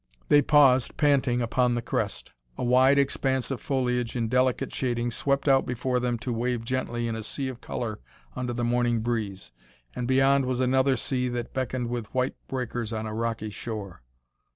They paused, panting, upon the crest. A wide expanse of foliage in delicate shadings swept out before them to wave gently in a sea of color under the morning breeze, and beyond was another sea that beckoned with white breakers on a rocky shore.